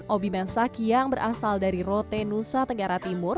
obi mensak yang berasal dari rote nusa tenggara timur